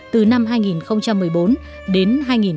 từ năm hai nghìn một mươi bốn đến hai nghìn một mươi tám